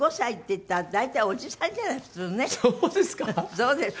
そうですか？